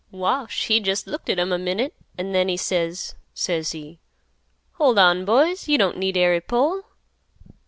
"Wash he looked at 'em a minute an' then says, says he, 'Hold on, boys; you don't need ary pole.